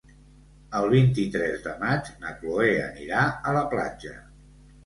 El vint-i-tres de maig na Chloé anirà a la platja.